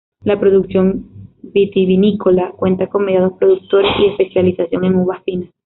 La producción vitivinícola cuenta con medianos productores y especialización en uvas finas.